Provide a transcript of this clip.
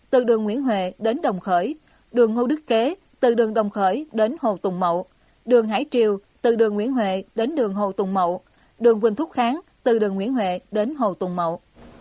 từ đường nguyễn huệ đến đồng khởi đường ngô đức kế từ đường đồng khởi đến hồ tùng mậu đường hải triều từ đường nguyễn huệ đến đường hồ tùng mậu đường quỳnh thuốc kháng từ đường nguyễn huệ đến hồ tùng mậu